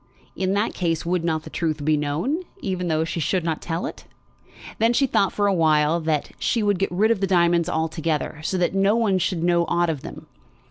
In that case would not the truth be known, even though she should not tell it? Then she thought for a while that she would get rid of the diamonds altogether, so that no one should know aught of them.